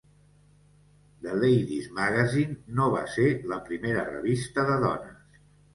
"The Lady's Magazine" no va ser la primera revista de dones.